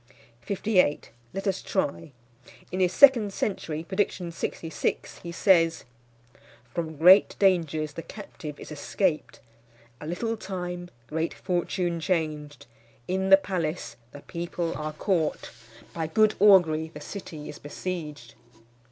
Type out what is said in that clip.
Let us try. In his second century, prediction 66, he says: "From great dangers the captive is escaped. A little time, great fortune changed. In the palace the people are caught. By good augury the city is besieged."